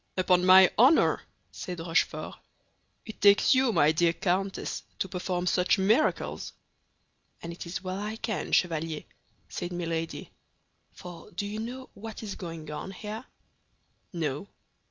"Upon my honor," said Rochefort, "it takes you, my dear countess, to perform such miracles!" "And it is well I can, Chevalier," said Milady, "for do you know what is going on here?" "No."